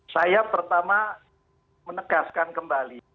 saya pertama menegaskan kembali